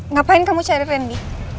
ngapain kamu cari randy